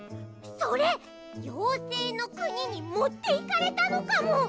それようせいのくににもっていかれたのかも！